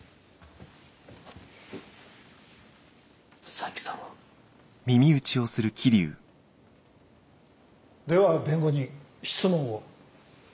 佐伯さんは？では弁護人質問を。